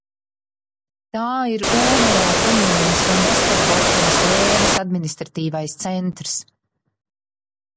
Tā ir Ūmeo komūnas un Vesterbotenas lēnes administratīvais centrs.